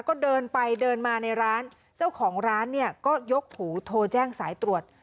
ก็เดินไปเดินมาในร้านเจ้าของร้านเนี่ยก็ยกถูโทรแจ้งสายตรวจ